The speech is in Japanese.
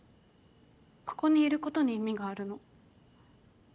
ここにいることに意味があるの。